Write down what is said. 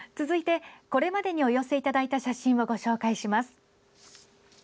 続いて、これまでにお寄せいただいた写真をご紹介します。